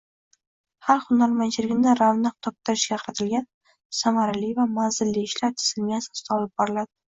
xalq hunarmandchiligini ravnaq toptirishga qaratilgan samarali va manzilli ishlar tizimli asosda olib boriladi.